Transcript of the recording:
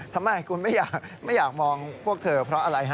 ทำไมคุณไม่อยากมองพวกเธอเพราะอะไรฮะ